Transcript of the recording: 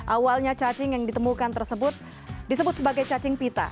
awalnya cacing yang ditemukan tersebut disebut sebagai cacing pita